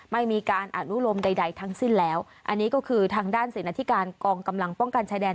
ไม่มีการอนุโลมใดทั้งสิ้นแล้วอันนี้ก็คือทางด้านเสนอธิการกองกำลังป้องกันชายแดน